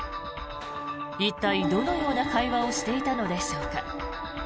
一体どのような会話をしていたのでしょうか。